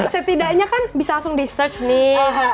setidaknya kan bisa langsung di search nih